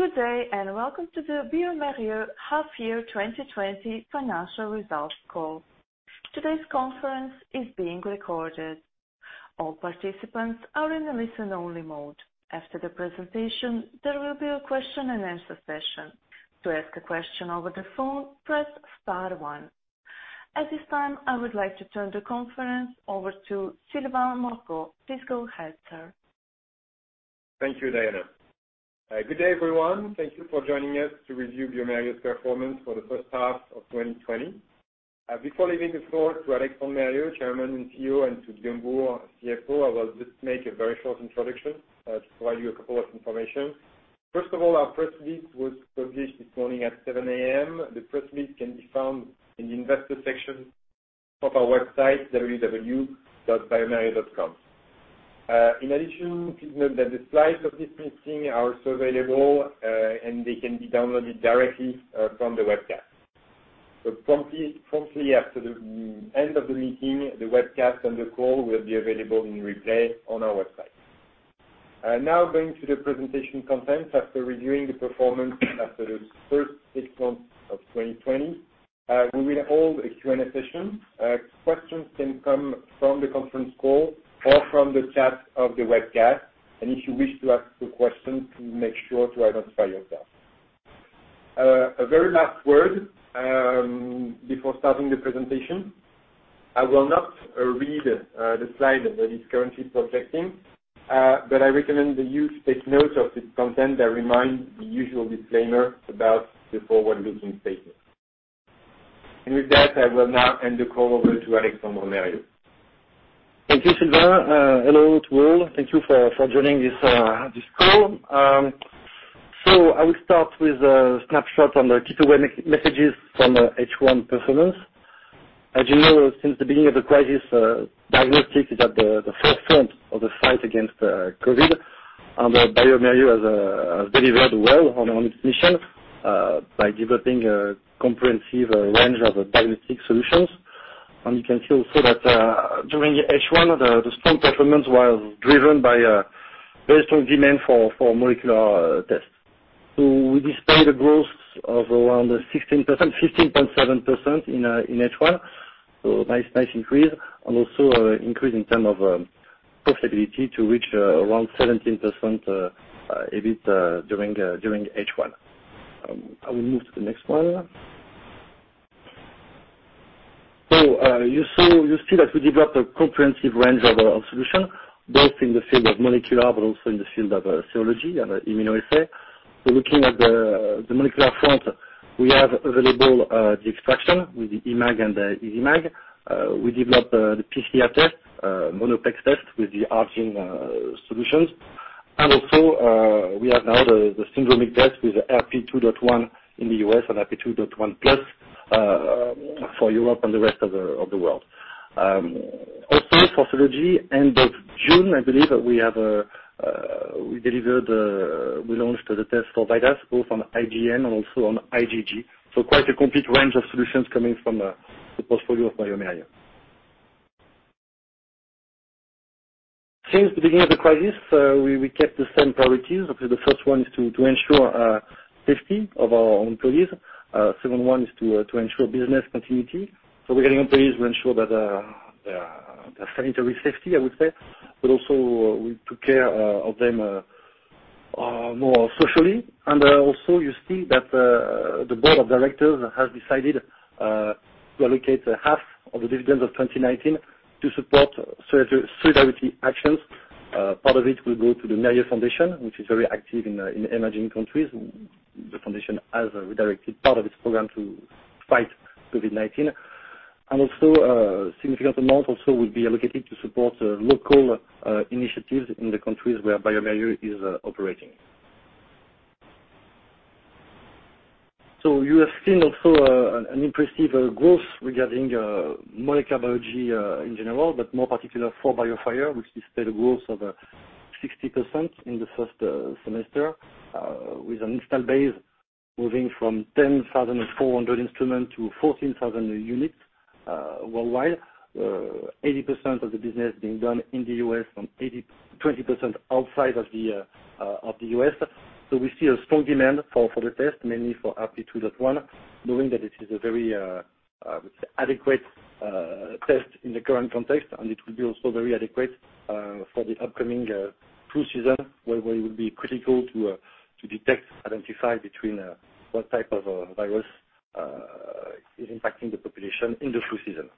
Good day. Welcome to the bioMérieux half year 2020 financial results call. Today's conference is being recorded. All participants are in a listen-only mode. After the presentation, there will be a question and answer session. To ask a question over the phone, press star one. At this time, I would like to turn the conference over to Sylvain Morgeau. Please go ahead, sir. Thank you, Diana. Good day, everyone. Thank you for joining us to review bioMérieux's performance for the first half of 2020. Before leaving the floor to Alexandre Mérieux, Chairman and CEO, and to Guillaume Bouhours, CFO, I will just make a very short introduction to provide you a couple of information. First of all, our press release was published this morning at 7:00 A.M. The press release can be found in the investor section of our website, www.biomerieux.com. In addition, please note that the slides of this meeting are also available, and they can be downloaded directly from the webcast. Promptly after the end of the meeting, the webcast and the call will be available in replay on our website. Now going to the presentation content after reviewing the performance after the first six months of 2020, we will hold a Q&A session. Questions can come from the conference call or from the chat of the webcast, and if you wish to ask a question, please make sure to identify yourself. A very last word before starting the presentation. I will not read the slide that is currently projecting, but I recommend that you take note of its content that reminds the usual disclaimer about the forward-looking statement. With that, I will now hand the call over to Alexandre Mérieux. Thank you, Sylvain. Hello to all. Thank you for joining this call. I will start with a snapshot on the key takeaway messages from H1 performance. As you know, since the beginning of the crisis, diagnostics is at the forefront of the fight against COVID, bioMérieux has delivered well on its mission by developing a comprehensive range of diagnostic solutions. You can see also that during H1, the strong performance was driven by a very strong demand for molecular tests. We display the growth of around 16%, 15.7% in H1. Nice increase and also increase in term of profitability to reach around 17% EBIT during H1. I will move to the next one. You see that we developed a comprehensive range of solutions, both in the field of molecular but also in the field of serology and immunoassay. Looking at the molecular front, we have available the extraction with the eMAG and the easyMAG. We developed the PCR test, Monoplex test with the ARGENE solutions. Also, we have now the syndromic test with RP2.1 in the U.S. and RP2.1plus for Europe and the rest of the world. For serology, end of June, I believe we launched the test for VIDAS, both on IgM and also on IgG. Quite a complete range of solutions coming from the portfolio of bioMérieux. Since the beginning of the crisis, we kept the same priorities. Obviously, the first one is to ensure safety of our own employees. Second one is to ensure business continuity. Regarding employees, we ensure that their sanitary safety, I would say, but also we took care of them more socially. Also you see that the board of directors has decided to allocate half of the dividends of 2019 to support solidarity actions. Part of it will go to the Mérieux Foundation, which is very active in emerging countries. The foundation has redirected part of its program to fight COVID-19. Also a significant amount also will be allocated to support local initiatives in the countries where bioMérieux is operating. You have seen also an impressive growth regarding molecular biology in general, but more particular for BioFire, which displayed a growth of 60% in the first semester with an install base moving from 10,400 instruments to 14,000 units worldwide. 80% of the business being done in the U.S. and 20% outside of the U.S. We see a strong demand for the test, mainly for RP 2.1, knowing that it is a very adequate test in the current context, and it will be also very adequate for the upcoming flu season, where it will be critical to detect, identify between what type of virus is impacting the population in the flu season.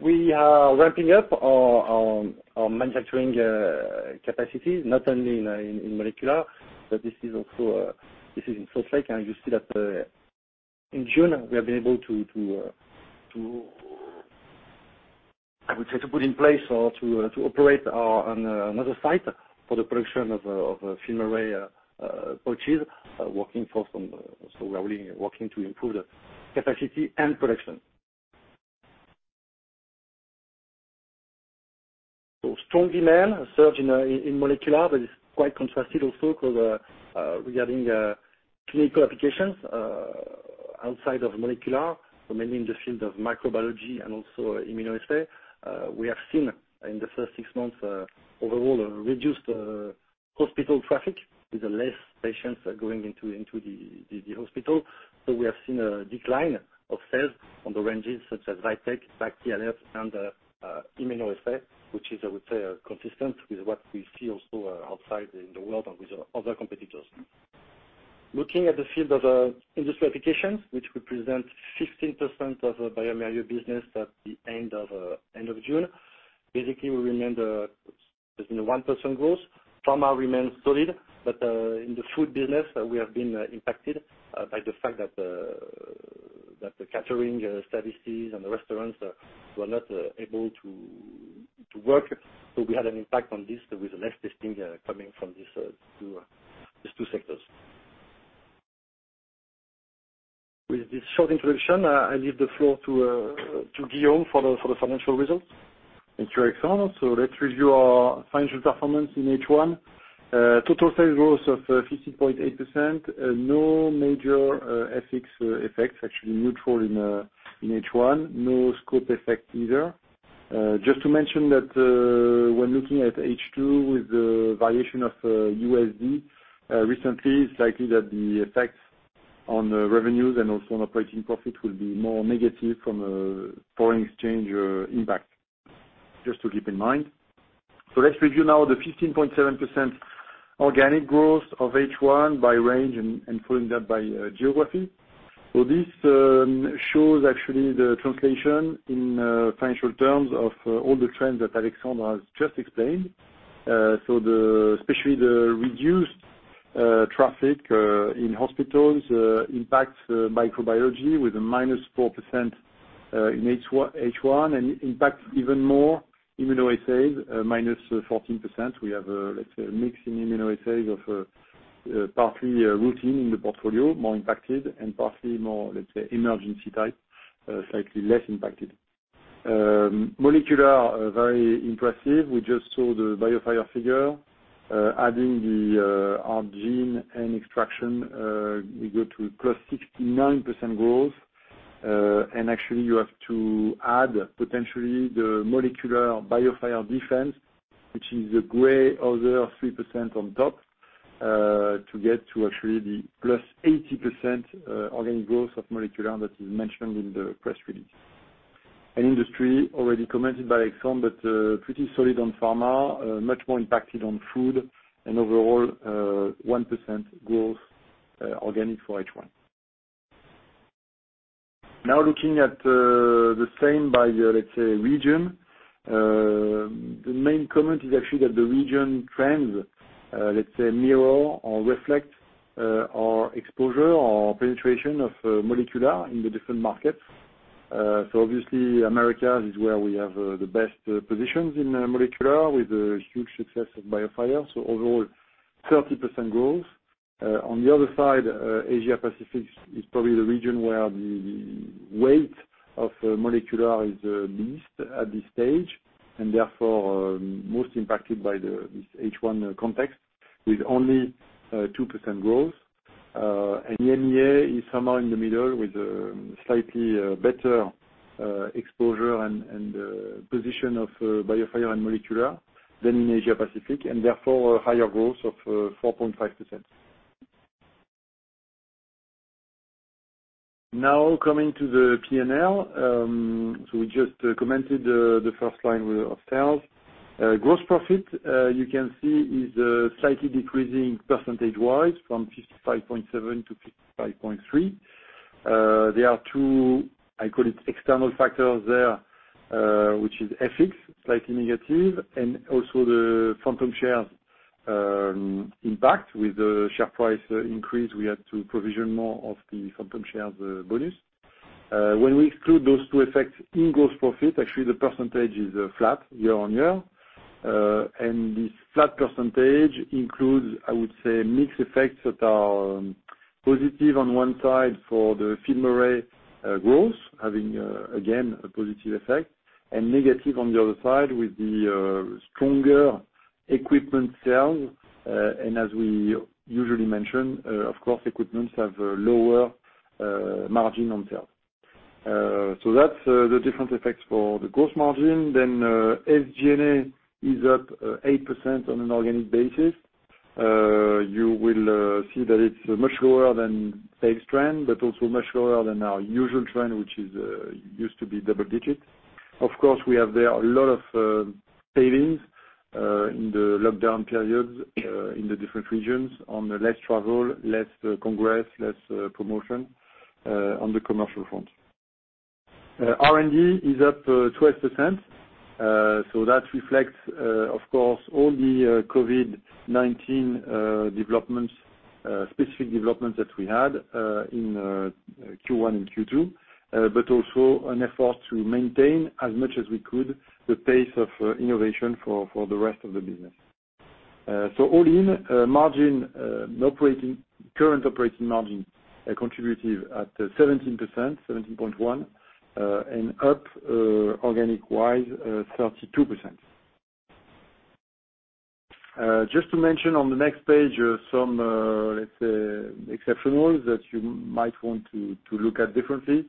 We are ramping up our manufacturing capacities, not only in molecular, but this is in Salt Lake, and you see that in June, we have been able, I would say, to put in place or to operate on another site for the production of FilmArray pouches, working to improve the capacity and production. Strong demand surge in molecular, but it's quite contrasted also regarding clinical applications. Outside of molecular, mainly in the field of microbiology and also immunoassay, we have seen in the first six months, overall, a reduced hospital traffic with less patients going into the hospital. We have seen a decline of sales on the ranges such as VITEK, BACT/ALERT, and immunoassay, which is, I would say, consistent with what we see also outside in the world and with other competitors. Looking at the field of industry applications, which represent 15% of the bioMérieux business at the end of June, basically, we remained a 1% growth. Pharma remains solid, but in the food business, we have been impacted by the fact that the catering services and the restaurants were not able to work. We had an impact on this with less testing coming from these two sectors. With this short introduction, I leave the floor to Guillaume for the financial results. Thank you, Alexandre. Let's review our financial performance in H1. Total sales growth of 15.8%. No major FX effects, actually neutral in H1. No scope effect either. Just to mention that when looking at H2 with the variation of USD recently, it's likely that the effects on revenues and also on operating profit will be more negative from a foreign exchange impact, just to keep in mind. Let's review now the 15.7% organic growth of H1 by range and following that by geography. This shows actually the translation in financial terms of all the trends that Alexandre has just explained. Especially the reduced traffic in hospitals impacts microbiology with a minus 4% in H1, and impacts even more immunoassays, minus 14%. We have a, let's say, a mix in immunoassays of partly routine in the portfolio, more impacted, and partly more, let's say, emergency type, slightly less impacted. Molecular, very impressive. We just saw the BioFire figure. Adding the ARGENE and extraction, we go to +69% growth. Actually, you have to add potentially the molecular BioFire Defense, which is the gray other 3% on top, to get to actually the +80% organic growth of molecular that is mentioned in the press release. Industry, already commented by Alexandre, but pretty solid on pharma, much more impacted on food, and overall, 1% growth organic for H1. Now looking at the same by the, let's say, region. The main comment is actually that the region trends, let's say, mirror or reflect our exposure or penetration of molecular in the different markets. Obviously, Americas is where we have the best positions in molecular with the huge success of BioFire. Overall, 30% growth. On the other side, Asia Pacific is probably the region where the weight of molecular is least at this stage, and therefore, most impacted by this H1 context, with only 2% growth. EMEA is somewhere in the middle with a slightly better exposure and position of BioFire and molecular than in Asia Pacific, and therefore, a higher growth of 4.5%. Now coming to the P&L. We just commented the first line of sales. Gross profit, you can see, is slightly decreasing percentage-wise from 55.7%-55.3%. There are two, I call it, external factors there, which is FX, slightly negative, and also the phantom shares impact. With the share price increase, we had to provision more of the phantom shares bonus. When we exclude those two effects in gross profit, actually the percentage is flat year on year. This flat percentage includes, I would say, mixed effects that are positive on one side for the FilmArray growth, having, again, a positive effect, and negative on the other side with the stronger equipment sales. As we usually mention, of course, equipments have a lower margin on sales. That's the different effects for the gross margin. SG&A is up 8% on an organic basis. You will see that it's much lower than sales trend, but also much lower than our usual trend, which used to be double digits. Of course, we have there a lot of savings in the lockdown periods in the different regions on less travel, less congress, less promotion on the commercial front. R&D is up 12%. That reflects, of course, all the COVID-19 developments, specific developments that we had in Q1 and Q2, but also an effort to maintain, as much as we could, the pace of innovation for the rest of the business. All in, margin operating, current operating margin contributive at 17.1%, and up organic-wise 32%. Just to mention on the next page, some, let's say, exceptionals that you might want to look at differently.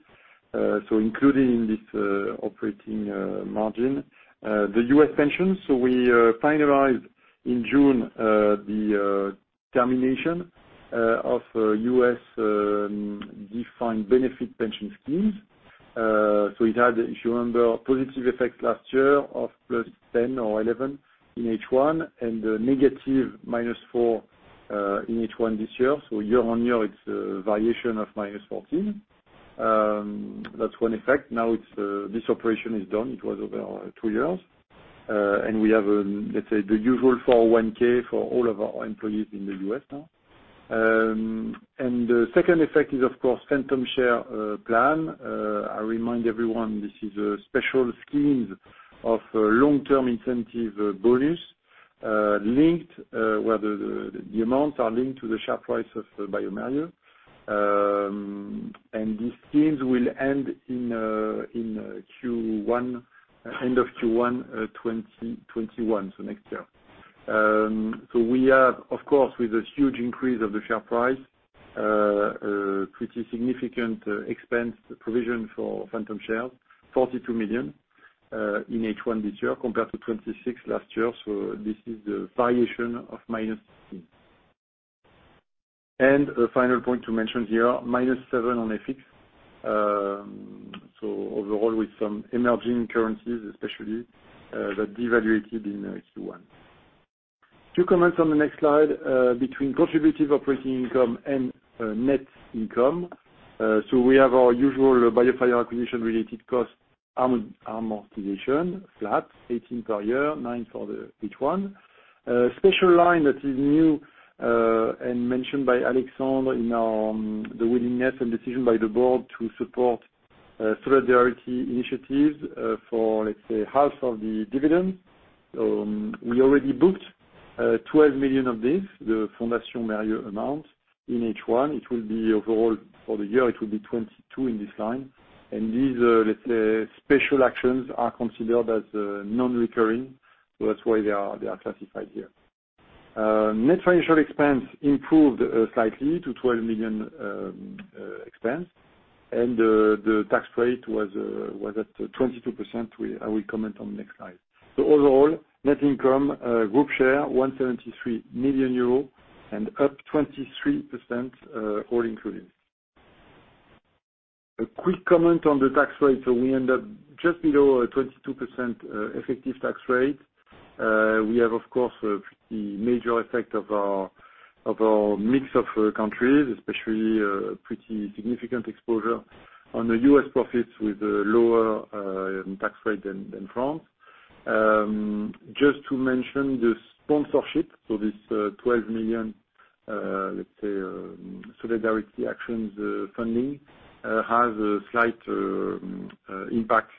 Included in this operating margin, the U.S. pension. We finalized in June, the termination of U.S. defined benefit pension schemes. It had, if you remember, positive effects last year of plus 10 or 11 in H1, and a negative minus four, in H1 this year. Year-on-year, it's a variation of minus 14. That's one effect. Now this operation is done, it was over two years. We have, let's say, the usual 401(k) for all of our employees in the U.S. now. The second effect is, of course, phantom share plan. I remind everyone this is a special schemes of long-term incentive bonus, where the amounts are linked to the share price of bioMérieux. These schemes will end in end of Q1 2021, so next year. We have, of course, with a huge increase of the share price, pretty significant expense provision for phantom shares, 42 million in H1 this year compared to 26 last year. This is a variation of minus. A final point to mention here, minus 7 on FX. Overall with some emerging currencies especially, that devaluated in Q1. Two comments on the next slide, between contributive operating income and net income. We have our usual BioFire acquisition-related cost amortization, flat 18 per year, 9 for the H1. Special line that is new, mentioned by Alexandre in the willingness and decision by the board to support solidarity initiatives, for, let's say, half of the dividend. We already booked 12 million of this, the Fondation Mérieux amount in H1. It will be overall for the year, it will be 22 in this line. These, let's say, special actions are considered as non-recurring. That's why they are classified here. Net financial expense improved slightly to 12 million expense. The tax rate was at 22%, I will comment on next slide. Overall, net income group share 173 million euros and up 23%, all included. A quick comment on the tax rate. We end up just below a 22% effective tax rate. We have, of course, a pretty major effect of our mix of countries, especially pretty significant exposure on the U.S. profits with lower tax rate than France. Just to mention the sponsorship, this 12 million, let's say, solidarity actions funding, has a slight impact,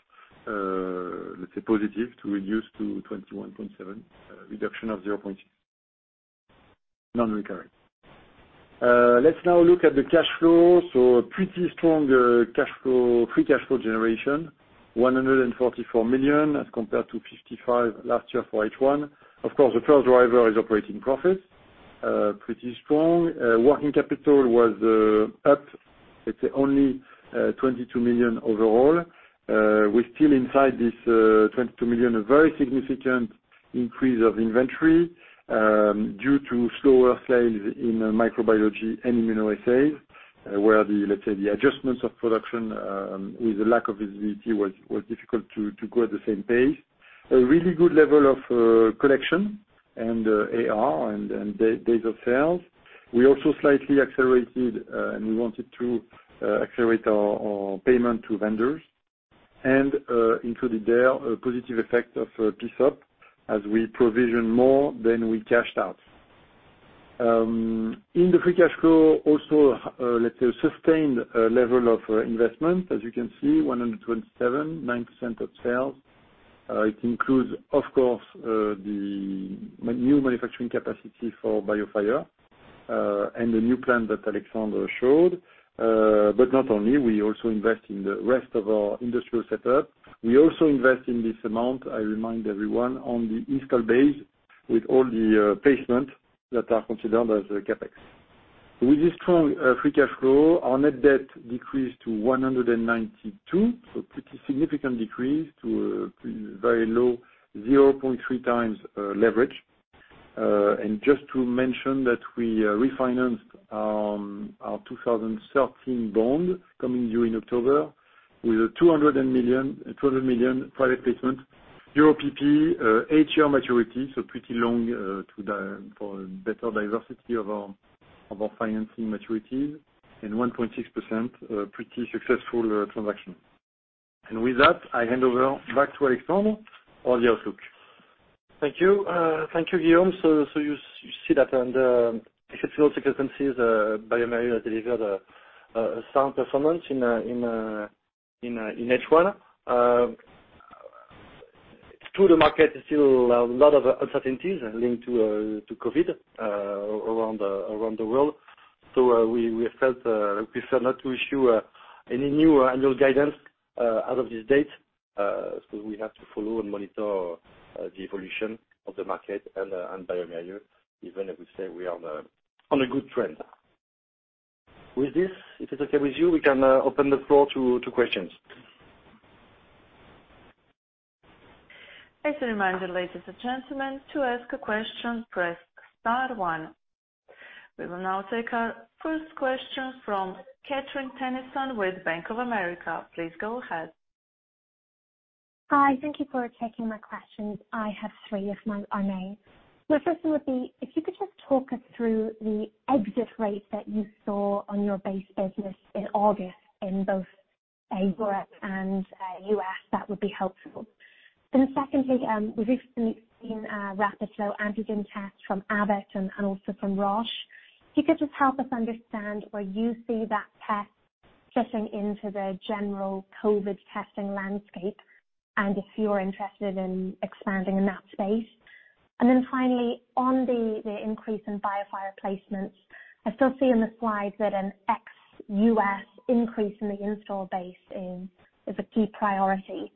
let's say positive to reduce to 21.7%, reduction of 0.6%, non-recurring. Let's now look at the cash flow. A pretty strong free cash flow generation, 144 million as compared to 55 million last year for H1. Of course, the first driver is operating profits, pretty strong. Working capital was up, let's say only 22 million overall. We're still inside this 22 million, a very significant increase of inventory, due to slower sales in microbiology and immunoassays, where the, let's say, the adjustments of production, with the lack of visibility was difficult to go at the same pace. A really good level of collection and AR and days of sales. We also slightly accelerated, and we wanted to accelerate our payment to vendors and, included there a positive effect of PSOP, as we provision more than we cashed out. In the free cash flow, also, let's say, a sustained level of investment. As you can see, 127, 9% of sales. It includes, of course, the new manufacturing capacity for BioFire, and the new plan that Alexandre showed. Not only, we also invest in the rest of our industrial setup. We also invest in this amount, I remind everyone, on the install base with all the placements that are considered as CapEx. With this strong free cash flow, our net debt decreased to 192, so pretty significant decrease to a very low 0.3 times leverage. Just to mention that we refinanced our 2013 bond coming due in October with a 200 million private placement, Euro PP, eight-year maturity, so pretty long, for better diversity of our financing maturities and 1.6%, a pretty successful transaction. With that, I hand over back to Alexandre for the outlook. Thank you. Thank you, Guillaume. You see that under difficult circumstances, bioMérieux has delivered a sound performance in H1. To the market, there's still a lot of uncertainties linked to COVID around the world. We felt we prefer not to issue any new annual guidance out of this date, we have to follow and monitor the evolution of the market and bioMérieux, even if we say we are on a good trend. With this, if it's okay with you, we can open the floor to questions. As a reminder, ladies and gentlemen, to ask a question, press star one. We will now take our first question from Catherine Tennyson with Bank of America. Please go ahead. Hi. Thank you for taking my questions. I have three, if I may. My first one would be, if you could just talk us through the exit rate that you saw on your base business in August in both Europe and U.S., that would be helpful. Secondly, we've recently seen rapid flow antigen tests from Abbott and also from Roche. If you could just help us understand where you see that test fitting into the general COVID testing landscape and if you're interested in expanding in that space. Finally, on the increase in BioFire placements, I still see on the slides that an ex-U.S. increase in the install base is a key priority.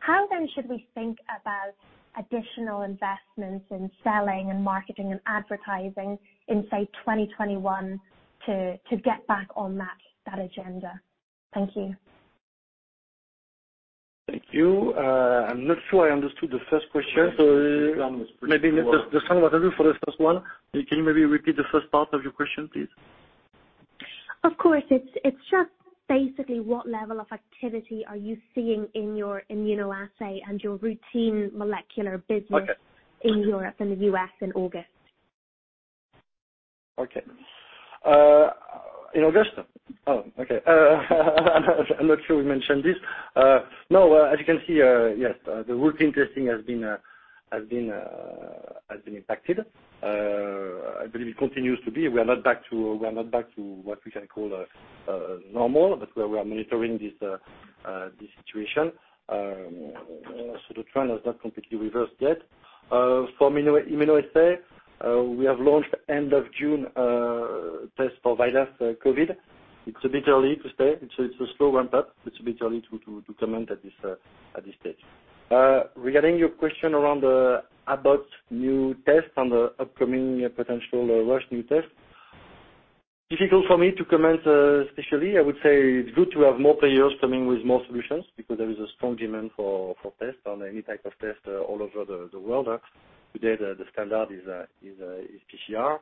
How should we think about additional investments in selling and marketing and advertising in, say, 2021 to get back on that agenda? Thank you. Thank you. I'm not sure I understood the first question. Maybe just hang on the line for the first one. Can you maybe repeat the first part of your question, please? Of course. It's just basically what level of activity are you seeing in your immunoassay and your routine molecular business? Okay. in Europe and the U.S. in August? Okay. In August? Oh, okay. I'm not sure we mentioned this. As you can see, yes, the routine testing has been impacted. I believe it continues to be. We are not back to what we can call normal, we are monitoring this situation. The trend has not completely reversed yet. For immunoassay, we have launched end of June a test for virus COVID. It's a bit early to say. It's a slow ramp-up. It's a bit early to comment at this stage. Regarding your question around the Abbott new test and the upcoming potential Roche new test, difficult for me to comment, especially. I would say it's good to have more players coming with more solutions because there is a strong demand for tests and any type of test all over the world. Today, the standard is PCR.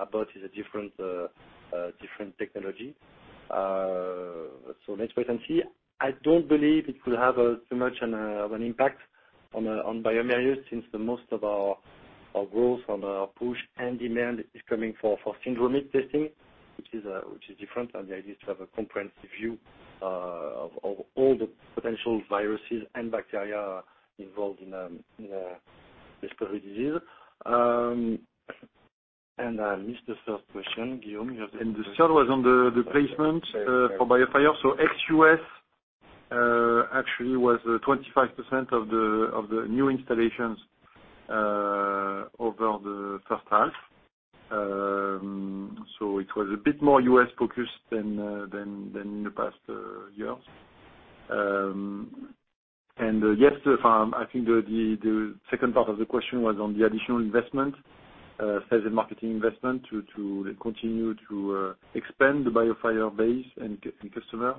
Abbott is a different technology. Let's wait and see. I don't believe it will have too much of an impact on bioMérieux since the most of our growth on our push and demand is coming for syndromic testing, which is different. The idea is to have a comprehensive view of all the potential viruses and bacteria involved in a discovery disease. I missed the third question. Guillaume, you have the third question? The third was on the placement for BioFire. Ex-U.S. actually was 25% of the new installations over the first half. It was a bit more U.S.-focused than the past years. Yes, I think the second part of the question was on the additional investment, sales and marketing investment to continue to expand the BioFire base and customer,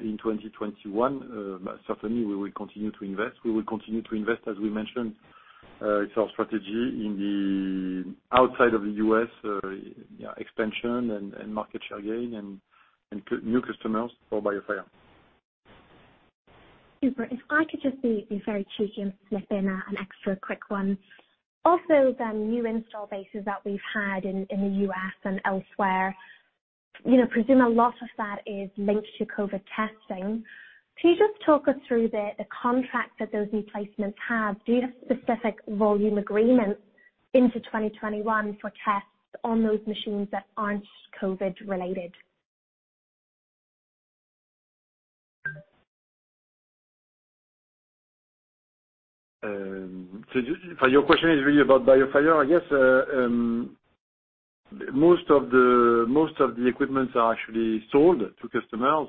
in 2021. Certainly, we will continue to invest. We will continue to invest, as we mentioned. It's our strategy in the outside of the U.S. expansion and market share gain and new customers for BioFire. Super. If I could just be very cheeky and slip in an extra quick one. Of those new install bases that we've had in the U.S. and elsewhere, presume a lot of that is linked to COVID testing. Can you just talk us through the contract that those new placements have? Do you have specific volume agreements into 2021 for tests on those machines that aren't COVID-related? Your question is really about BioFire, I guess. Most of the equipments are actually sold to customers.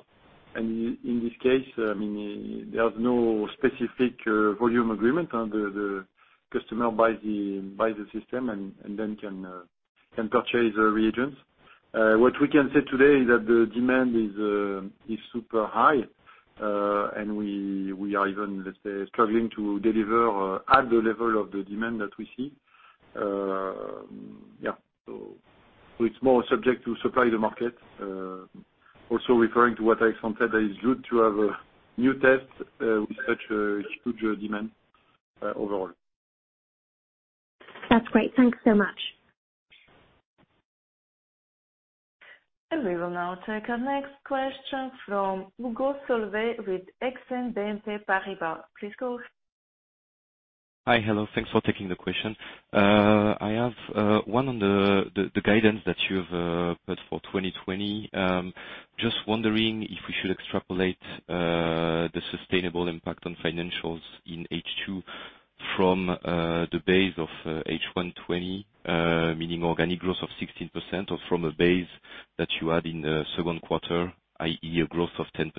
In this case, there's no specific volume agreement. The customer buys the system and then can purchase the reagents. What we can say today is that the demand is super high, and we are even, let's say, struggling to deliver at the level of the demand that we see. Yeah. It's more subject to supply the market. Also referring to what Alexandre said, that it's good to have a new test with such a huge demand overall. That's great. Thanks so much. We will now take our next question from Hugo Solvet with Exane BNP Paribas. Please go. Hi. Hello. Thanks for taking the question. I have one on the guidance that you've put for 2020. Just wondering if we should extrapolate the sustainable impact on financials in H2. From the base of H1 2020, meaning organic growth of 16% or from a base that you had in the second quarter, i.e., a growth of 10%.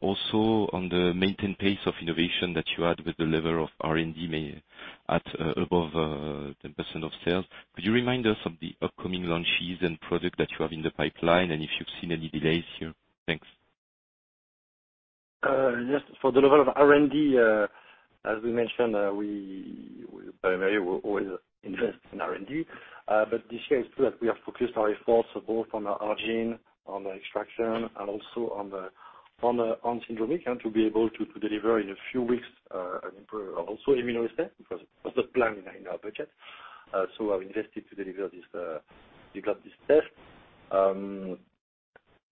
Also on the maintained pace of innovation that you had with the level of R&D at above 10% of sales. Could you remind us of the upcoming launches and product that you have in the pipeline and if you've seen any delays here? Thanks. Yes. For the level of R&D, as we mentioned, bioMérieux will always invest in R&D. This year it's true that we have focused our efforts both on the ARGENE, on the extraction, and also on syndromic to be able to deliver in a few weeks an improved immunoassay, because it was not planned in our budget. We have invested to develop this test.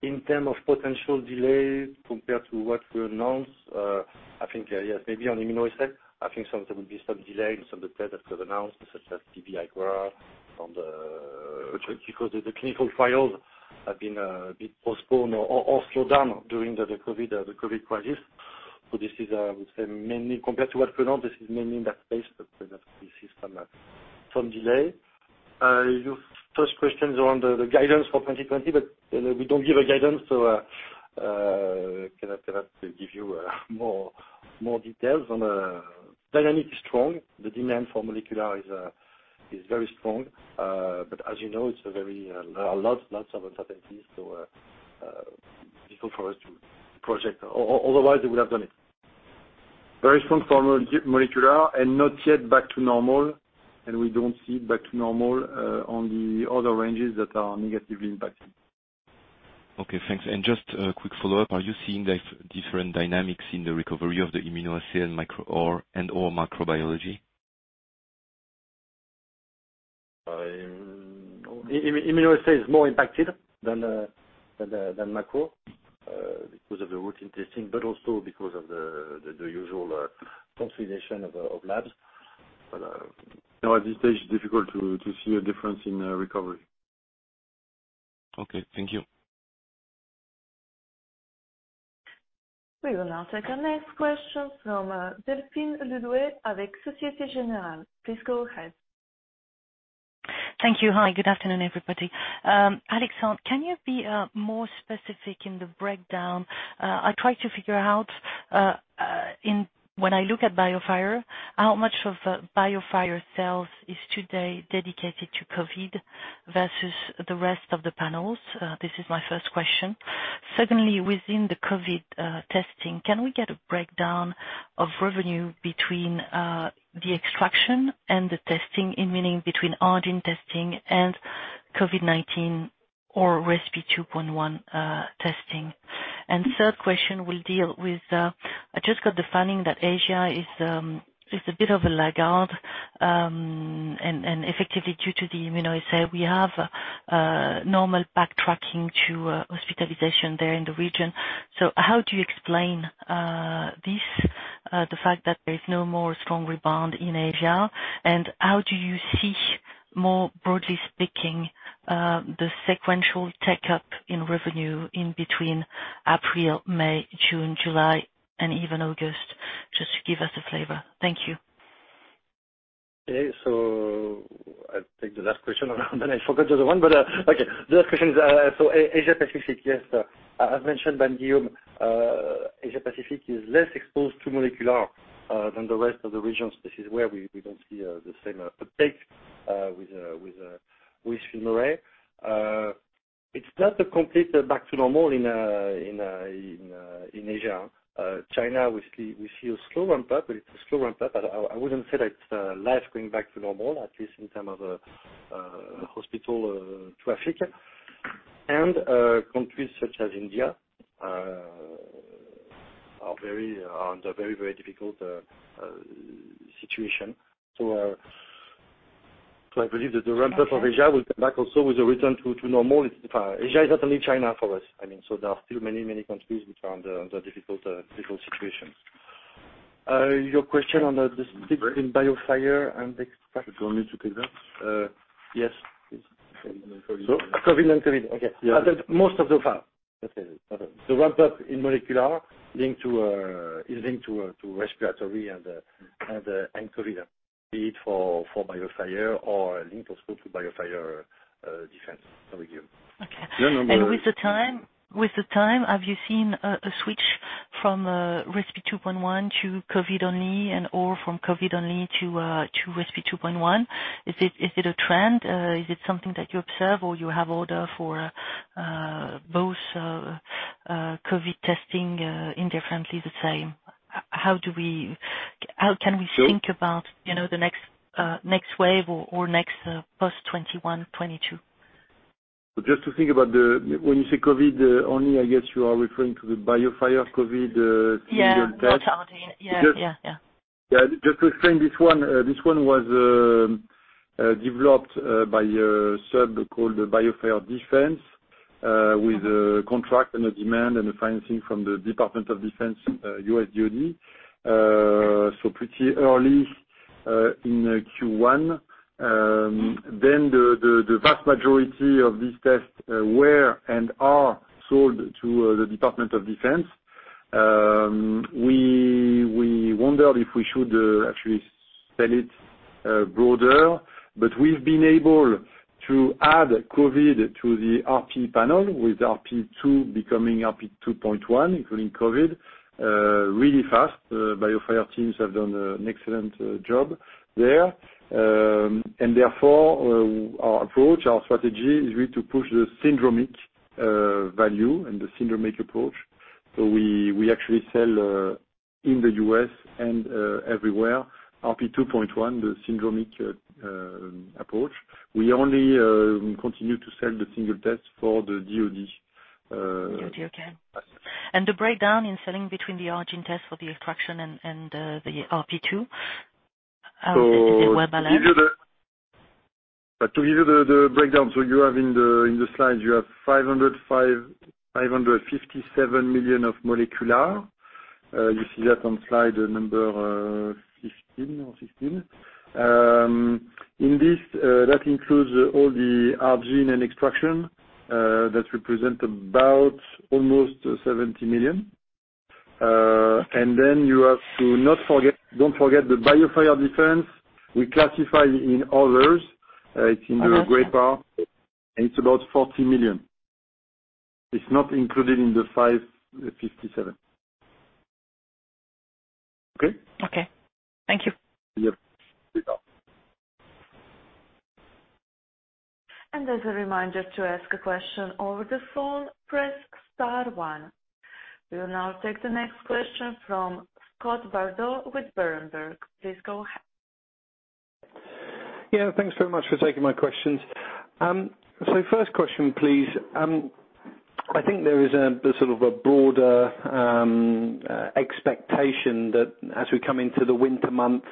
In term of potential delay compared to what we announced, I think, yes, maybe on immunoassay, I think there will be some delay in some of the tests that we have announced, such as TB IGRA because of the clinical trials have been postponed or slowed down during the COVID crisis. This is, I would say mainly compared to what we announced, this is mainly in that space that we see some delay. Your first questions around the guidance for 2020, but we don't give a guidance so cannot give you more details. Dynamic is strong. The demand for molecular is very strong. As you know, there are lots of uncertainties, so difficult for us to project. Otherwise, we would have done it. Very strong for molecular and not yet back to normal, and we don't see it back to normal on the other ranges that are negatively impacted. Okay, thanks. Just a quick follow-up. Are you seeing different dynamics in the recovery of the immunoassay and or microbiology? Immunoassay is more impacted than micro because of the routine testing, but also because of the usual consolidation of labs. At this stage, it is difficult to see a difference in recovery. Okay. Thank you. We will now take our next question from Delphine Le Louët with Société Générale. Please go ahead. Thank you. Hi, good afternoon, everybody. Alexandre, can you be more specific in the breakdown? I try to figure out, when I look at BioFire, how much of BioFire sales is today dedicated to COVID versus the rest of the panels? This is my first question. Secondly, within the COVID testing, can we get a breakdown of revenue between the extraction and the testing, meaning between ARGENE testing and COVID-19 or RP2.1 testing? Third question will deal with, I just got the finding that Asia is a bit of a laggard, and effectively due to the immunoassay, we have a normal backtracking to hospitalization there in the region. How do you explain this, the fact that there is no more strong rebound in Asia? How do you see, more broadly speaking, the sequential tech up in revenue in between April, May, June, July, and even August? Just to give us a flavor. Thank you. Okay. I'll take the last question and then I forgot the other one, but okay. The last question is, Asia Pacific. Yes, as mentioned by Guillaume, Asia Pacific is less exposed to molecular than the rest of the regions. This is where we don't see the same uptake with FilmArray. It's not a complete back to normal in Asia. China, we see a slow ramp up, but it's a slow ramp up. I wouldn't say that life going back to normal, at least in terms of hospital traffic. Countries such as India are under very difficult situation. I believe that the ramp up of Asia will come back also with a return to normal. Asia is not only China for us. There are still many countries which are under difficult situations. Your question on the split between BioFire and extraction. Do you want me to take that? Yes, please. COVID and COVID. Okay. Yeah. Most of the ramp up in molecular is linked to respiratory and COVID, be it for BioFire or linked also to BioFire Defense. Over to you. Okay. With the time, have you seen a switch from RP 2.1 to COVID only and or from COVID only to RP 2.1? Is it a trend? Is it something that you observe or you have order for both COVID testing indifferently the same? How can we think about the next wave or next post 2021, 2022? Just to think about when you say COVID only, I guess you are referring to the BioFire COVID single test. Yeah, not ARGENE. Yeah. Just to explain this one, this one was developed by a sub called BioFire Defense with a contract and a demand and a financing from the Department of Defense, U.S. DoD. Pretty early. In Q1. The vast majority of these tests were and are sold to the Department of Defense. We wondered if we should actually sell it broader. We've been able to add COVID to the BIOFIRE RP panel with BIOFIRE RP2 becoming BIOFIRE RP2.1, including COVID, really fast. BioFire teams have done an excellent job there. Therefore, our approach, our strategy is really to push the syndromic value and the syndromic approach. We actually sell in the U.S. and everywhere, BIOFIRE RP2.1, the syndromic approach. We only continue to sell the single test for the DoD. DoD, okay. The breakdown in selling between the ARGENE test for the extraction and the RP2? This is in WebAllyn. To give you the breakdown. You have in the slides, you have 557 million of molecular. You see that on slide number 15. In this, that includes all the ARGENE and extraction, that represent about almost 70 million. You have to not forget the BioFire Defense. We classify in others. It's in the gray bar, and it's about 40 million. It's not included in the 557. Okay? Okay. Thank you. You're welcome. As a reminder, to ask a question over the phone, press star one. We will now take the next question from Scott Bardo with Berenberg. Please go ahead. Yeah. Thanks very much for taking my questions. First question, please. I think there is a sort of a broader expectation that as we come into the winter months,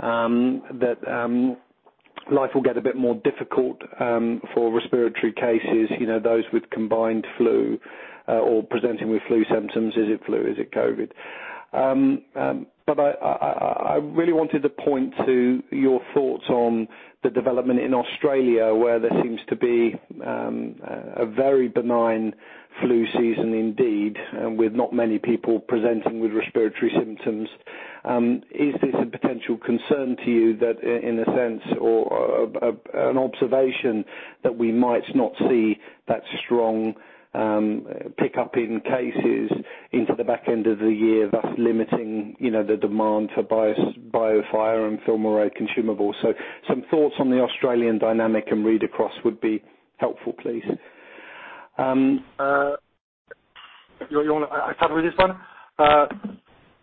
that life will get a bit more difficult for respiratory cases, those with combined flu or presenting with flu symptoms. Is it flu? Is it COVID? I really wanted to point to your thoughts on the development in Australia where there seems to be a very benign flu season indeed, and with not many people presenting with respiratory symptoms. Is this a potential concern to you that in a sense or an observation that we might not see that strong pick up in cases into the back end of the year, thus limiting the demand for BioFire and FilmArray consumables? Some thoughts on the Australian dynamic and read across would be helpful, please. You want I start with this one?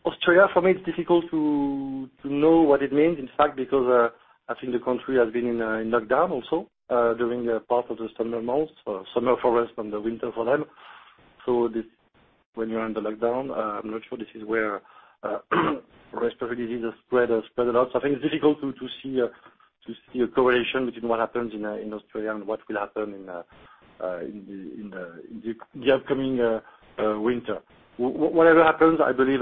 Australia, for me, it's difficult to know what it means, in fact, because I think the country has been in lockdown also during part of the summer months. Summer for us and the winter for them. When you're under lockdown, I'm not sure this is where respiratory diseases spread a lot. I think it's difficult to see a correlation between what happens in Australia and what will happen in the upcoming winter. Whatever happens, I believe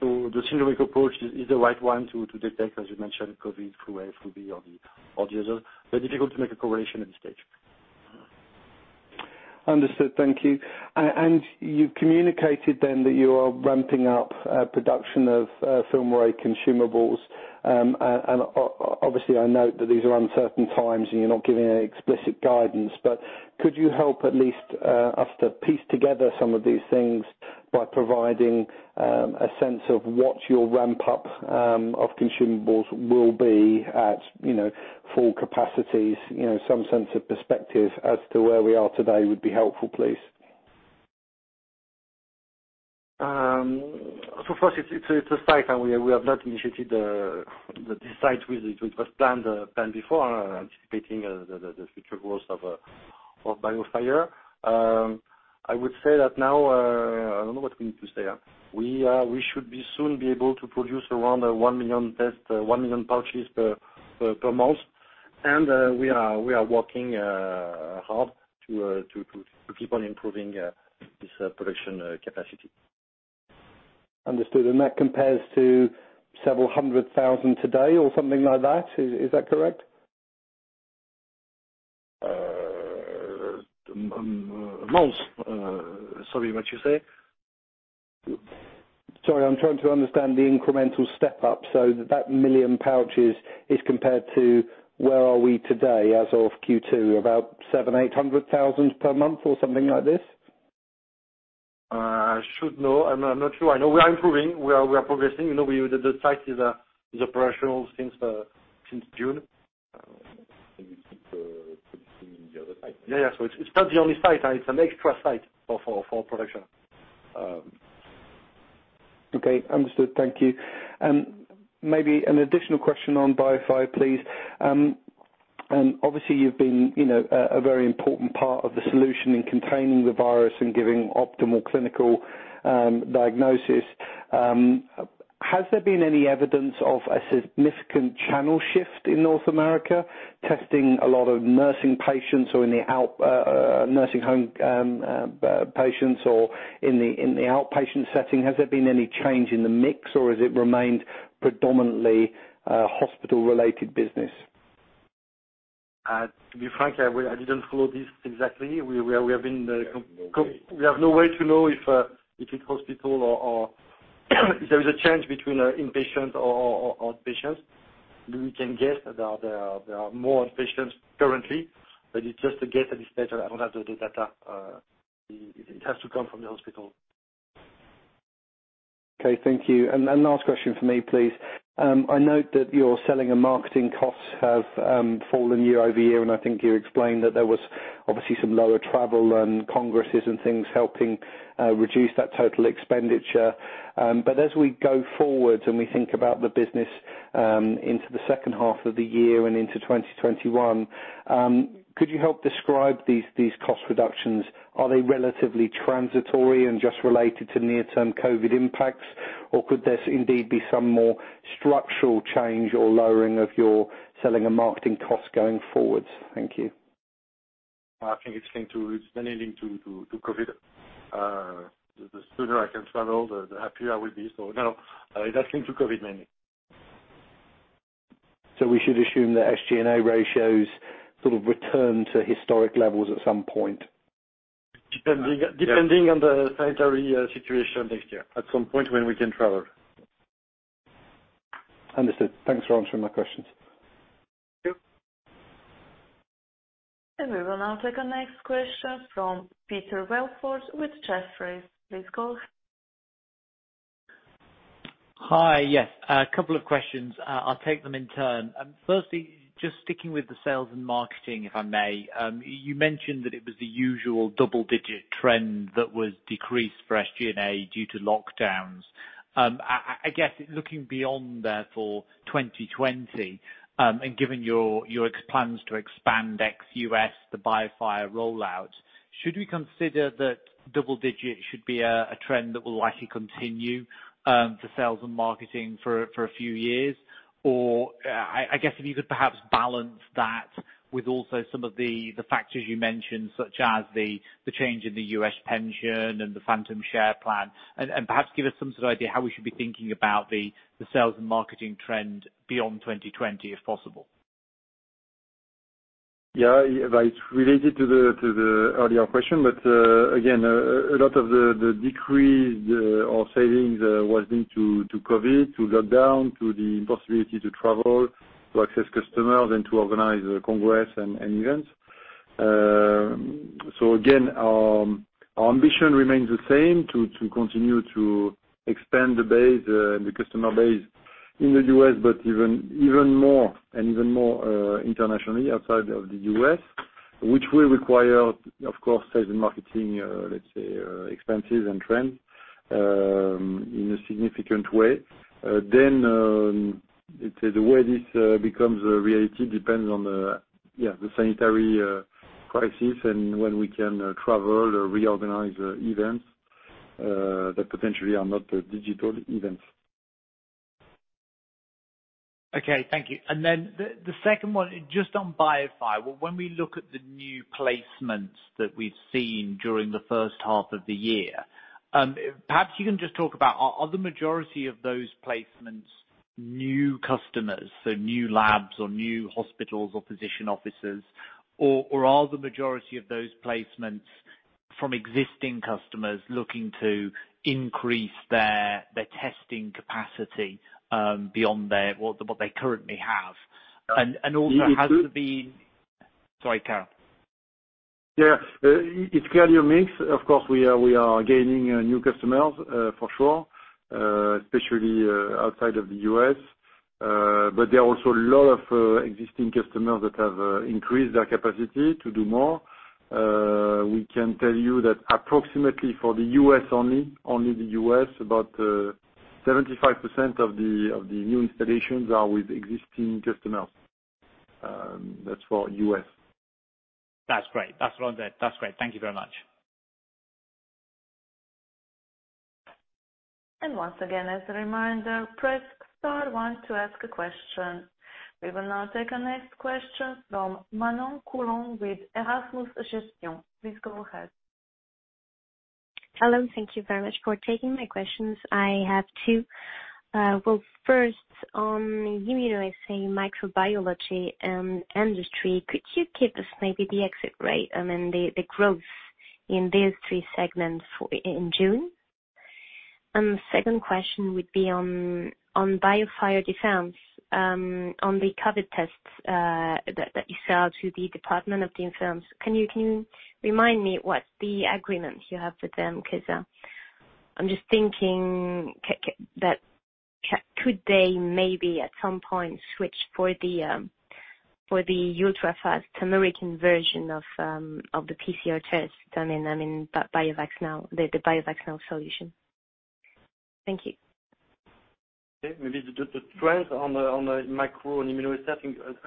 the syndromic approach is the right one to detect, as you mentioned, COVID, flu A, flu B, or the others, but difficult to make a correlation at this stage. Understood. Thank you. You communicated then that you are ramping up production of FilmArray consumables. Obviously, I note that these are uncertain times, and you're not giving any explicit guidance. Could you help at least us to piece together some of these things by providing a sense of what your ramp up of consumables will be at full capacities? Some sense of perspective as to where we are today would be helpful, please. First, it's a cycle. We have not initiated this site visit, which was planned before, anticipating the future growth of BioFire. I would say that now, I don't know what we need to say. We should be soon be able to produce around 1 million test, 1 million pouches per month. We are working hard to keep on improving this production capacity. Understood. That compares to several hundred thousand today or something like that. Is that correct? A month? Sorry, what you say? Sorry, I'm trying to understand the incremental step up so that 1 million pouches is compared to where are we today as of Q2, about 700,000-800,000 per month or something like this? I should know. I am not sure. I know we are improving. We are progressing. The site is operational since June. We keep producing in the other site. Yeah. It's not the only site. It's an extra site for production. Okay, understood. Thank you. Maybe an additional question on BioFire, please. Obviously, you've been a very important part of the solution in containing the virus and giving optimal clinical diagnosis. Has there been any evidence of a significant channel shift in North America, testing a lot of nursing patients or in the nursing home patients or in the outpatient setting? Has there been any change in the mix, or has it remained predominantly hospital-related business? To be frank, I didn't follow this exactly. We have no way to know if it's hospital or there is a change between inpatients or outpatients. We can guess that there are more outpatients currently, but it's just a guess at this stage. I don't have the data. It has to come from the hospital. Okay, thank you. Last question from me, please. I note that your selling and marketing costs have fallen year-over-year, and I think you explained that there was obviously some lower travel and congresses and things helping reduce that total expenditure. But as we go forward, and we think about the business into the second half of the year and into 2021, could you help describe these cost reductions? Are they relatively transitory and just related to near-term COVID impacts? Or could there indeed be some more structural change or lowering of your selling and marketing costs going forward? Thank you. I think it's linked to COVID. The sooner I can travel, the happier I will be. No, it is linked to COVID mainly. We should assume that SG&A ratios sort of return to historic levels at some point? Depending on the sanitary situation next year, at some point when we can travel. Understood. Thanks for answering my questions. Thank you. We will now take our next question from Peter Welford with Jefferies. Please go ahead. Hi. Yes, a couple of questions. I will take them in turn. Firstly, just sticking with the sales and marketing, if I may. You mentioned that it was the usual double-digit trend that was decreased for SG&A due to lockdowns. I guess, looking beyond, therefore, 2020, and given your plans to expand ex-U.S., the BioFire rollout, should we consider that double digits should be a trend that will likely continue for sales and marketing for a few years? I guess if you could perhaps balance that with also some of the factors you mentioned, such as the change in the U.S. pension and the phantom share plan, and perhaps give us some sort of idea how we should be thinking about the sales and marketing trend beyond 2020, if possible. It's related to the earlier question. A lot of the decrease or savings was linked to COVID, to lockdown, to the impossibility to travel, to access customers, and to organize congress and events. Again, our ambition remains the same, to continue to expand the customer base in the U.S., but even more internationally outside of the U.S., which will require, of course, sales and marketing, let's say, expenses and trend in a significant way. Let's say the way this becomes a reality depends on the sanitary crisis and when we can travel or reorganize events that potentially are not digital events. Okay, thank you. The second one, just on BioFire. When we look at the new placements that we've seen during the first half of the year, perhaps you can just talk about are the majority of those placements new customers, so new labs or new hospitals or physician offices, or are the majority of those placements from existing customers looking to increase their testing capacity beyond what they currently have? Has there been-- Sorry, go on. Yeah. It's clearly a mix. Of course, we are gaining new customers, for sure, especially outside of the U.S. There are also a lot of existing customers that have increased their capacity to do more. We can tell you that approximately for the U.S. only, about 75% of the new installations are with existing customers. That's for U.S. That's great. That's all I need. That's great. Thank you very much. Once again, as a reminder, press star one to ask a question. We will now take our next question from Manon Coulon with Erasmus Gestion. Please go ahead. Hello. Thank you very much for taking my questions. I have two. Well, first, on immunoassay, microbiology, and industry, could you give us maybe the exit rate? I mean, the growth in these three segments in June? The second question would be on BioFire Defense, on the COVID tests that you sell to the Department of Defense. Can you remind me what the agreement you have with them? I'm just thinking that could they maybe at some point switch for the ultra-fast American version of the PCR test? I mean, the BinaxNOW now solution. Thank you. Okay. Maybe the trends on the micro and immunoassay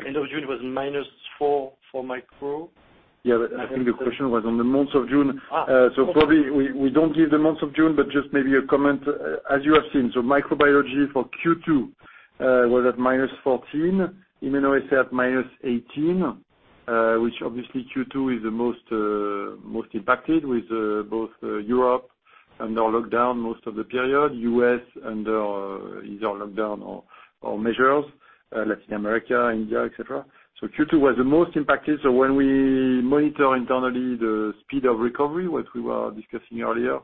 end of June was -4% for micro. I think the question was on the month of June. Probably, we don't give the month of June, just maybe a comment. As you have seen, microbiology for Q2 was at -14%, immunoassay at -18%, which obviously Q2 is the most impacted with both Europe under lockdown most of the period, U.S. under either lockdown or measures, Latin America, India, et cetera. Q2 was the most impacted. When we monitor internally the speed of recovery, what we were discussing earlier,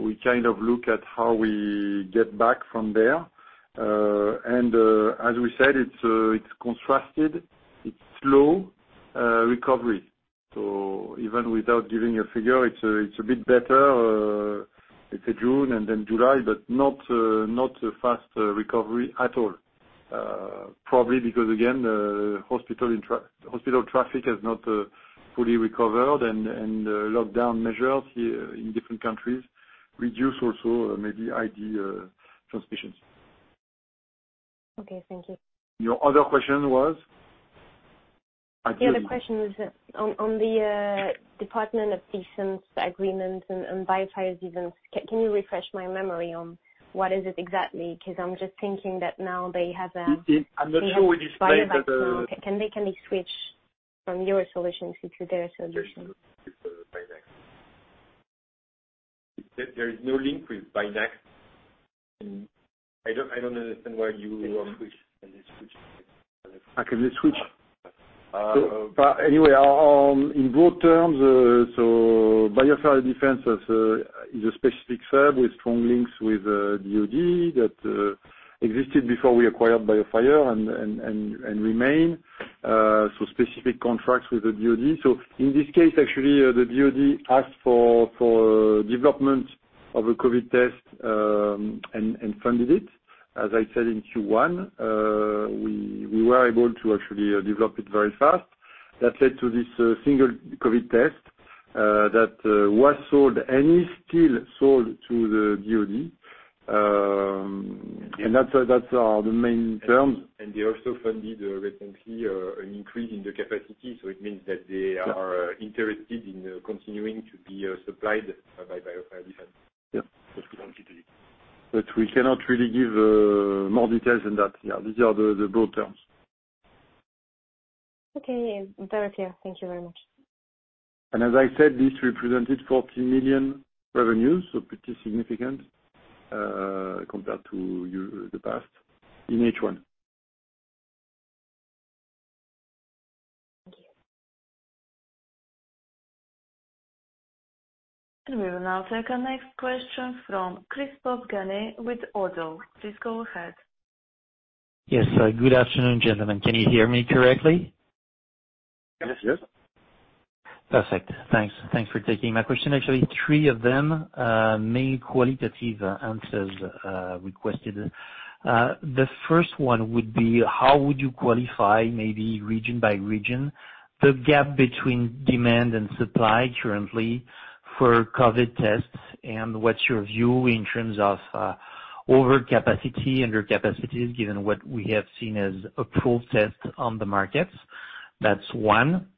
we look at how we get back from there. As we said, it's contrasted. It's slow recovery. Even without giving a figure, it's a bit better June and then July, but not a fast recovery at all. Probably because, again, hospital traffic has not fully recovered, and lockdown measures here in different countries reduce also maybe ID transmissions. Okay. Thank you. Your other question was? The other question was on the Department of Defense agreement and BioFire Defense. Can you refresh my memory on what is it exactly? I'm not sure we displayed that. Can they switch from your solutions into their solutions? With Binax. There is no link with Binax. I don't understand why you. Can they switch? How can they switch? In broad terms, BioFire Defense is a specific sub with strong links with DoD that existed before we acquired BioFire and remain. Specific contracts with the DoD. In this case, actually, the DoD asked for development of a COVID test and funded it. As I said in Q1, we were able to actually develop it very fast. That led to this single COVID test that was sold and is still sold to the DoD. That's the main terms. They also funded recently an increase in the capacity. It means that they are interested in continuing to be supplied by BioFire Defense. Yeah. That's what I wanted to say. We cannot really give more details than that. These are the broad terms. Okay. Very clear. Thank you very much. As I said, this represented 40 million revenues, so pretty significant compared to the past in H1. Thank you. We will now take our next question from Christophe Ganet with Oddo. Please go ahead. Yes. Good afternoon, gentlemen. Can you hear me correctly? Yes. Yes. Perfect. Thanks for taking my question. Actually, three of them, main qualitative answers requested. The first one would be, how would you qualify, maybe region by region, the gap between demand and supply currently for COVID tests, and what's your view in terms of over capacity, under capacity, given what we have seen as approved tests on the markets? That's one.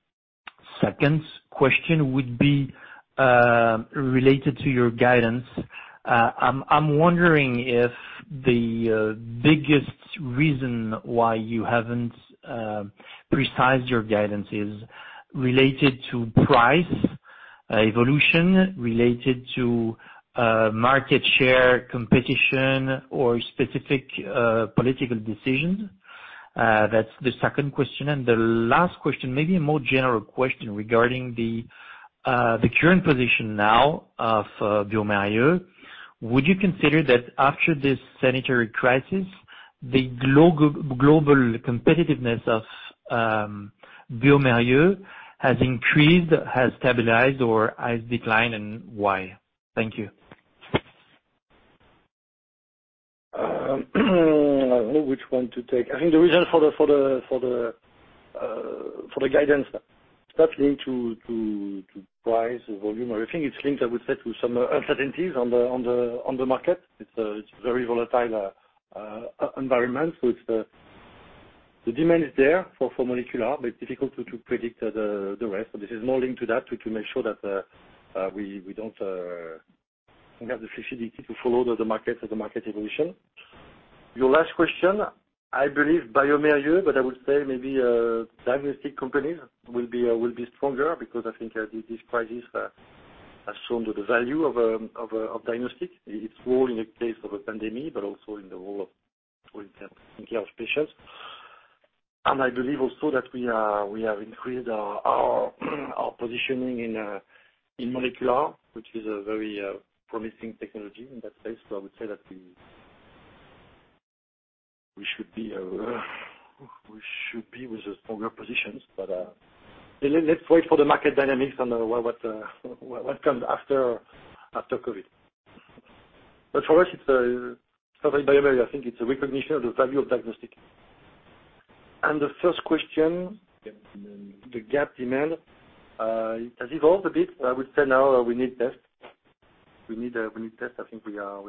Second question would be related to your guidance. I'm wondering if the biggest reason why you haven't précised your guidance is related to price evolution, related to market share competition or specific political decisions. That's the second question. The last question, maybe a more general question regarding the current position now of bioMérieux. Would you consider that after this sanitary crisis, the global competitiveness of bioMérieux has increased, has stabilized, or has declined, and why? Thank you. I don't know which one to take. I think the reason for the guidance, it doesn't link to price or volume or anything. It's linked, I would say, to some uncertainties on the market. It's a very volatile environment. The demand is there for molecular, but it's difficult to predict the rest. This is more linked to that, to make sure that we have the fluidity to follow the market evolution. Your last question, I believe bioMérieux, but I would say maybe diagnostic companies will be stronger because I think this crisis has shown the value of diagnostic. Its role in the case of a pandemic, but also in the role of taking care of patients. I believe also that we have increased our positioning in molecular, which is a very promising technology in that space. I would say that we should be with a stronger position. Let's wait for the market dynamics on what comes after COVID. For us, it's very bioMérieux. I think it's a recognition of the value of diagnostic. The first question, the gap demand, it has evolved a bit. I would say now we need tests. I think we are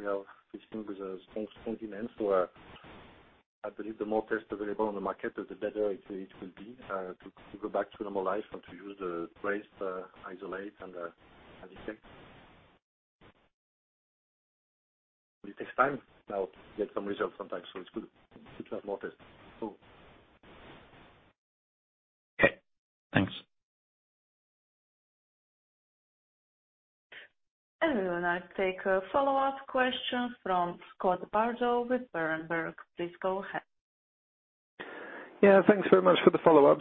facing a strong demand. I believe the more tests available on the market, the better it will be to go back to normal life and to use, trace, isolate, and detect. It takes time now to get some results sometimes, so it's good to have more tests. We will now take a follow-up question from Scott Bardo with Berenberg. Please go ahead. Yeah, thanks very much for the follow-up.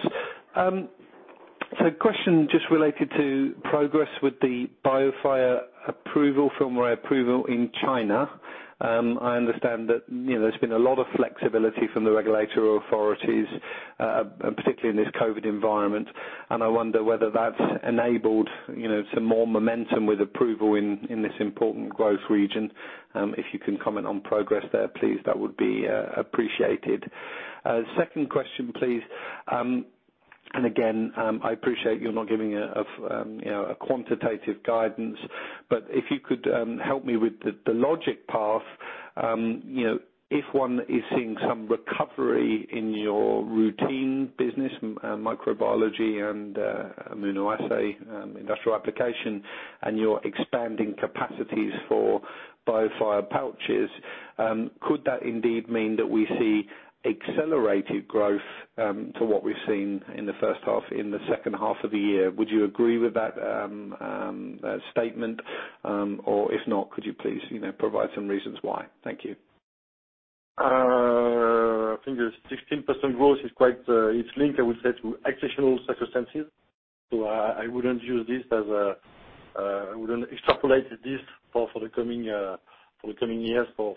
Question just related to progress with the BioFire approval, FilmArray approval in China. I understand that there's been a lot of flexibility from the regulatory authorities, particularly in this COVID environment, and I wonder whether that's enabled some more momentum with approval in this important growth region. If you can comment on progress there, please, that would be appreciated. Second question, please. Again, I appreciate you're not giving a quantitative guidance, but if you could help me with the logic path. If one is seeing some recovery in your routine business, microbiology and immunoassay industrial application, and you're expanding capacities for BioFire pouches, could that indeed mean that we see accelerated growth to what we've seen in the first half in the second half of the year? Would you agree with that statement? If not, could you please provide some reasons why? Thank you. I think the 16% growth is linked, I would say, to exceptional circumstances. I wouldn't extrapolate this for the coming years for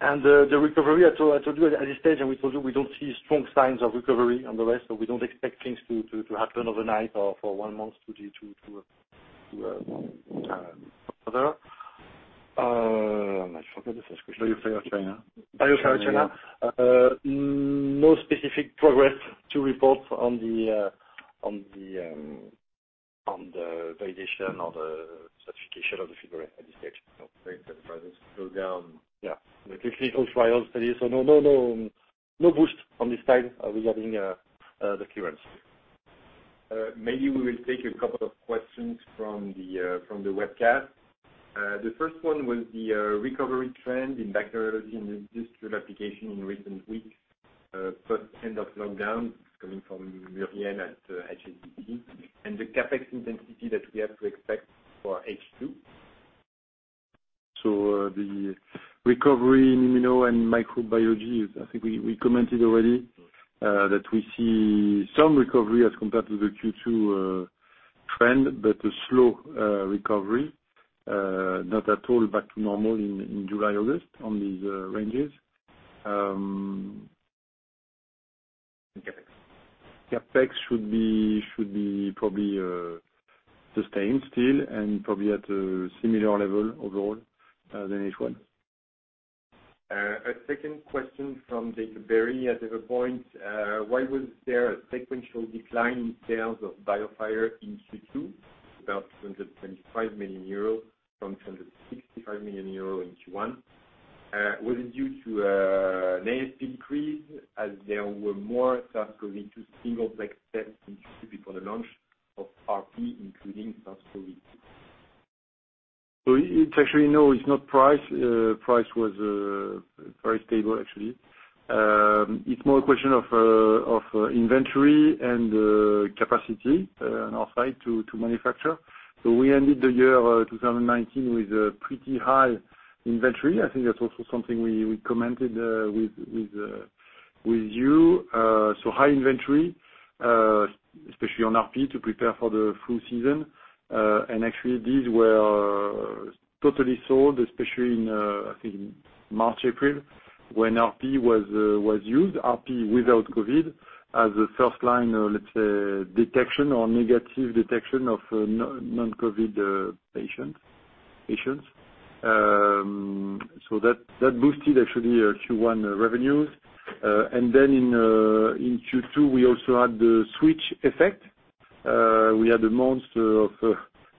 bioMérieux. The recovery, I told you at this stage, and we told you, we don't see strong signs of recovery and the rest. We don't expect things to happen overnight or for one month to happen. I forgot the first question. BioFire China. BioFire China. No specific progress to report on the validation or the certification of the FilmArray at this stage. Thanks. The prices go down. Yeah. The clinical trials study. No boost on this side regarding the clearance. Maybe we will take a couple of questions from the webcast. The first one was the recovery trend in bacteriology and industrial application in recent weeks post end of lockdown. It is coming from Murienne at HSBC. The CapEx intensity that we have to expect for H2. The recovery in immuno and microbiology is, I think we commented already that we see some recovery as compared to the Q2 trend, but a slow recovery. Not at all back to normal in July, August on these ranges. CapEx. CapEx should be probably sustained still and probably at a similar level overall than H1. A second question from David Berry at Everpoint. Why was there a sequential decline in sales of BioFire in Q2, about 225 million euros from 265 million euros in Q1? Was it due to an ASP increase as there were more SARS-CoV-2 single test in Q2 before the launch of RP including SARS-CoV-2? It's actually no, it's not price. Price was very stable actually. It's more a question of inventory and capacity on our side to manufacture. We ended the year 2019 with a pretty high inventory. I think that's also something we commented with you. High inventory, especially on RP to prepare for the flu season. Actually these were totally sold, especially in, I think March, April, when RP was used, RP without COVID as a first line or let's say detection or negative detection of non-COVID patients. That boosted actually our Q1 revenues. Then in Q2, we also had the switch effect. We had the months of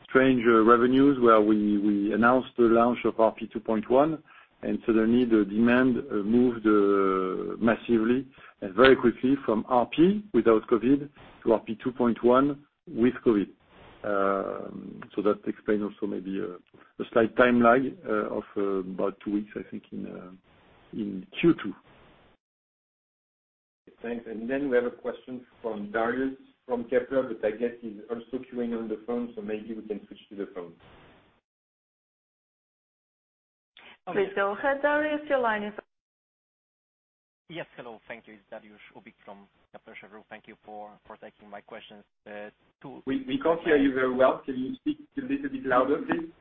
stranger revenues where we announced the launch of RP 2.1, the demand moved massively and very quickly from RP without COVID to RP 2.1 with COVID. That explains also maybe a slight time lag of about two weeks, I think, in Q2. Thanks. Then we have a question from Dariusz from Kepler, I guess he's also queuing on the phone, maybe we can switch to the phone. Please go ahead, Dariusz. Your line is- Yes. Hello. Thank you. It's Dariusz Ubik from Kepler Cheuvreux. Thank you for taking my questions. We can't hear you very well. Can you speak a little bit louder, please?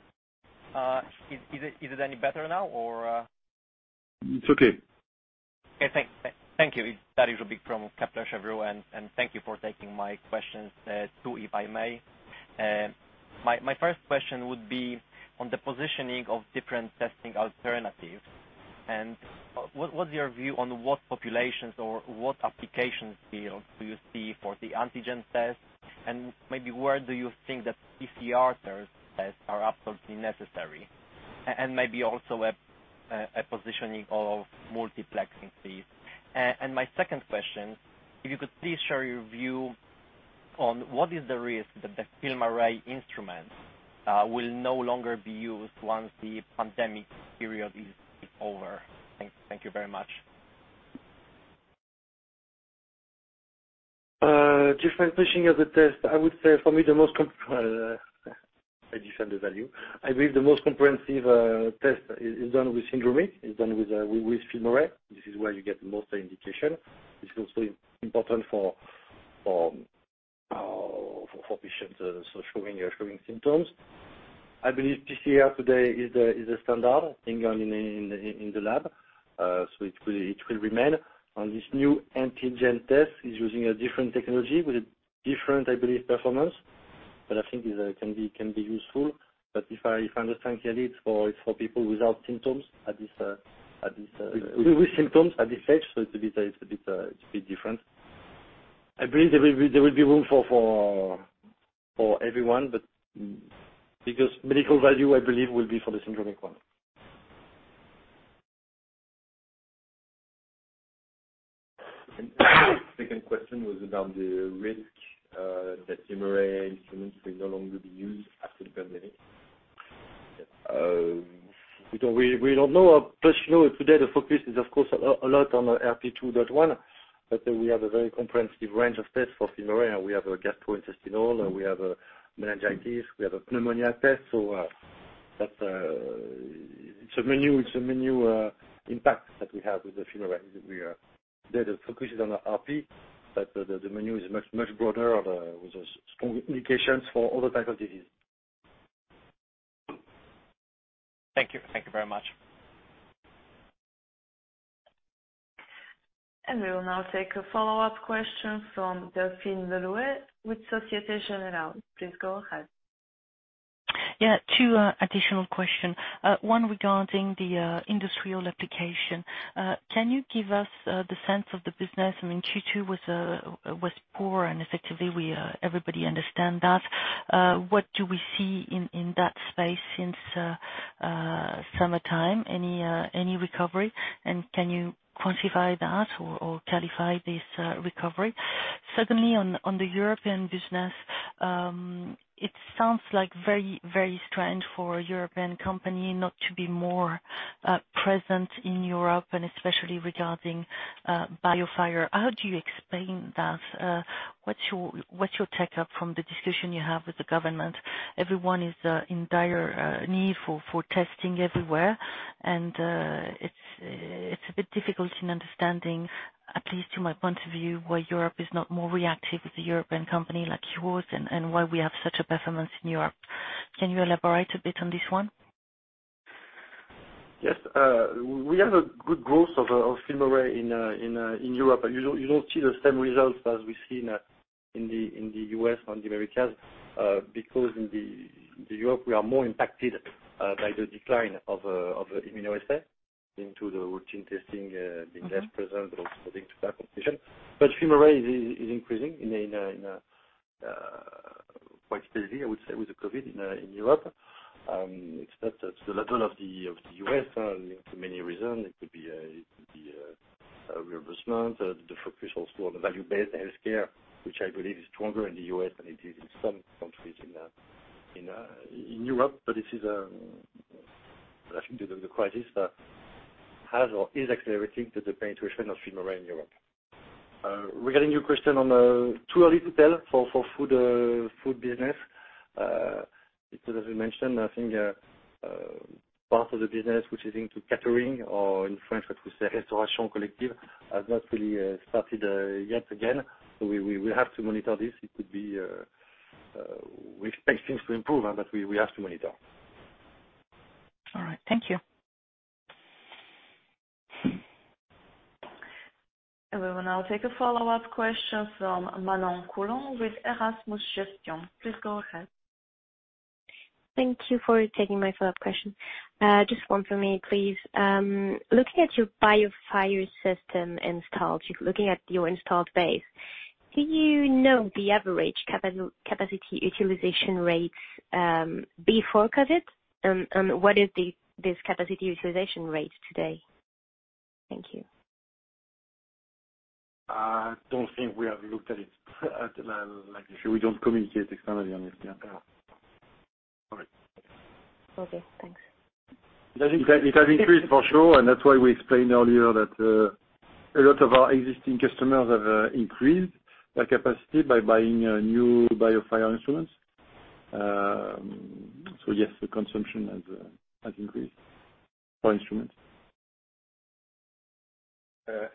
Is it any better now or? It's okay. Okay, thanks. Thank you. It's Dariusz Ubik from Kepler Cheuvreux. Thank you for taking my questions. Two, if I may. My first question would be on the positioning of different testing alternatives. What's your view on what populations or what application fields do you see for the antigen test? Maybe where do you think that PCR tests are absolutely necessary? Maybe also a positioning of multiplexing, please. My second question, if you could please share your view on what is the risk that the FilmArray instruments will no longer be used once the pandemic period is over. Thank you very much. Different positioning of the test, I would say for me the most-- I defend the value. I believe the most comprehensive test is done with syndromic, is done with FilmArray. This is where you get the most indication. It's also important for patients showing symptoms. I believe PCR today is the standard in the lab. It will remain. This new antigen test is using a different technology with different, I believe, performance. I think it can be useful. If I understand clearly, it's for people without symptoms, at this- With symptoms at this stage, so it's a bit different. I believe there will be room for everyone, but because medical value, I believe, will be for the syndromic one. Second question was about the risk that FilmArray instruments will no longer be used after the pandemic. We don't know. Today the focus is of course a lot on RP2.1, but we have a very comprehensive range of tests for FilmArray. We have a gastrointestinal, we have a meningitis, we have a pneumonia test. It's a menu impact that we have with the FilmArray. The focus is on the RP, but the menu is much broader with strong indications for other types of disease. Thank you. Thank you very much. We will now take a follow-up question from Delphine Le Louët with Société Générale. Please go ahead. Yeah, two additional question. One regarding the industrial application. Can you give us the sense of the business? I mean, Q2 was poor and effectively everybody understand that. What do we see in that space since summertime? Any recovery? Can you quantify that or qualify this recovery? Secondly, on the European business, it sounds very strange for a European company not to be more present in Europe and especially regarding BioFire. How do you explain that? What's your take up from the discussion you have with the government? Everyone is in dire need for testing everywhere. It's a bit difficult in understanding, at least to my point of view, why Europe is not more reactive with a European company like yours and why we have such a performance in Europe. Can you elaborate a bit on this one? Yes. We have a good growth of FilmArray in Europe. You don't see the same results as we see in the U.S. and the Americas, because in Europe we are more impacted by the decline of immunoassay into the routine testing being less present also due to lab competition. FilmArray is increasing quite steadily, I would say, with the COVID in Europe. Except that the level of the U.S., for many reason, it could be reimbursement, the focus also on the value-based healthcare, which I believe is stronger in the U.S. than it is in some countries in Europe. I think the crisis has or is accelerating the penetration of FilmArray in Europe. Regarding your question, too early to tell for food business. As we mentioned, I think part of the business, which is into catering or in French what we say, "restauration collective" has not really started yet again. We have to monitor this. We expect things to improve, but we have to monitor. All right. Thank you. We will now take a follow-up question from Manon Coulon with Erasmus Gestion. Please go ahead. Thank you for taking my follow-up question. Just one for me, please. Looking at your BioFire system installs, looking at your install base, do you know the average capacity utilization rates before COVID? What is this capacity utilization rate today? Thank you. I don't think we have looked at it. We don't communicate externally on this. Okay, thanks. It has increased for sure, and that's why we explained earlier that a lot of our existing customers have increased their capacity by buying new BioFire instruments. Yes, the consumption has increased for instruments.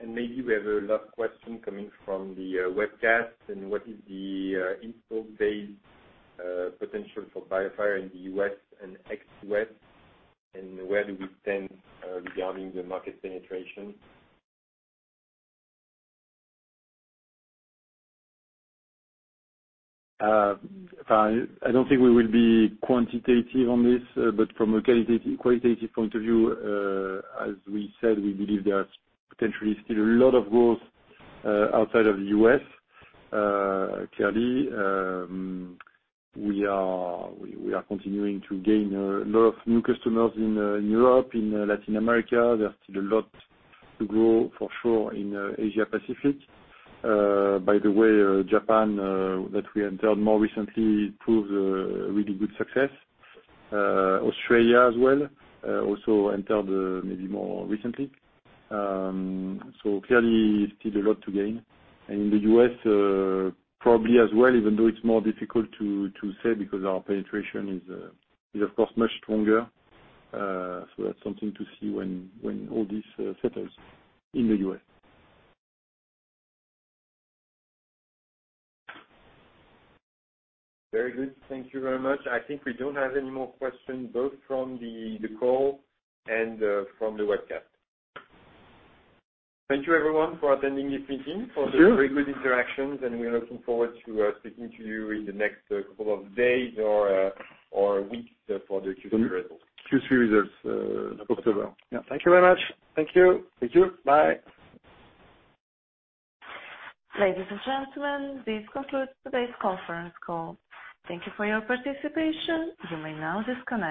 Maybe we have a last question coming from the webcast. What is the install base potential for BioFire in the U.S. and ex-U.S.? Where do we stand regarding the market penetration? I don't think we will be quantitative on this. From a qualitative point of view, as we said, we believe there's potentially still a lot of growth outside of the U.S. Clearly, we are continuing to gain a lot of new customers in Europe, in Latin America. There's still a lot to grow for sure in Asia-Pacific. By the way, Japan, that we entered more recently, proves a really good success. Australia as well, also entered maybe more recently. Clearly still a lot to gain. In the U.S., probably as well, even though it's more difficult to say because our penetration is of course much stronger. That's something to see when all this settles in the U.S. Very good. Thank you very much. I think we don't have any more questions, both from the call and from the webcast. Thank you everyone for attending this meeting. Thank you. For the very good interactions, and we are looking forward to speaking to you in the next couple of days or weeks for the Q3 results. Q3 results. October. Thank you very much. Thank you. Thank you. Bye. Ladies and gentlemen, this concludes today's conference call. Thank you for your participation. You may now disconnect.